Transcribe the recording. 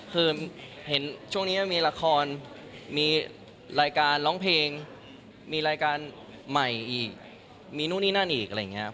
คือเห็นช่วงนี้มีละครมีรายการร้องเพลงมีรายการใหม่อีกมีนู่นนี่นั่นอีกอะไรอย่างนี้ครับ